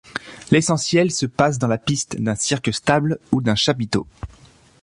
L’essentiel se passe dans la piste d’un cirque stable ou d’un chapiteau.